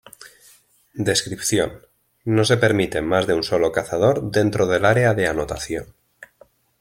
Descripción: no se permite más de un solo Cazador dentro del área de anotación.